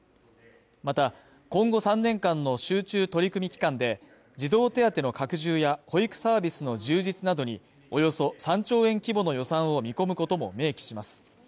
また、今後３年間の集中取り組み期間で、児童手当の拡充や保育サービスの充実などにおよそ３兆円規模の予算を見込むことも明記します。